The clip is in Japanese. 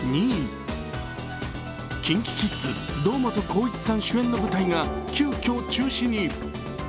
ＫｉｎＫｉＫｉｄｓ堂本光一さん主演の舞台が急きょ中止に。